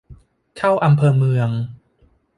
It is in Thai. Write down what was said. เข้าอำเภอเมือง